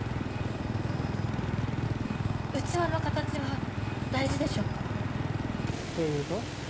器の形は大事でしょうか？というと？